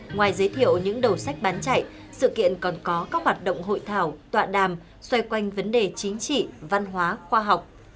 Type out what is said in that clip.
ngoài giới thiệu những đầu sách bán chạy sự kiện còn có các hoạt động hội thảo tọa đàm xoay quanh vấn đề chính trị văn hóa khoa học